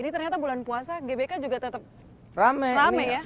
ini ternyata bulan puasa gbk juga tetap rame ya